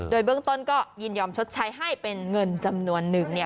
โดยเบื้องต้นก็ยินยอมชดใช้ให้เป็นเงินจำนวนหนึ่ง